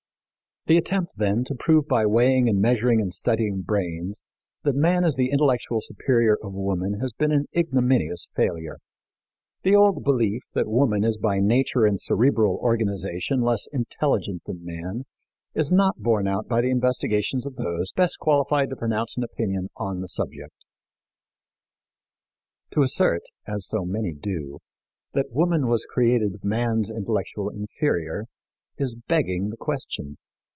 The attempt, then, to prove by weighing and measuring and studying brains that man is the intellectual superior of woman has been an ignominious failure. The old belief that woman is by nature and cerebral organization less intelligent than man is not borne out by the investigations of those best qualified to pronounce an opinion on the subject. To assert, as so many do, that woman was created man's intellectual inferior is begging the question.